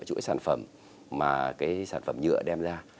chuỗi sản phẩm mà cái sản phẩm nhựa đem ra